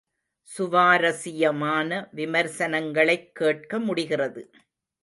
சுவாரசியமான விமர்சனங்களைக் கேட்க முடிகிறது.